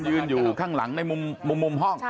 ยืนอยู่ข้างหลังในมุมห้อง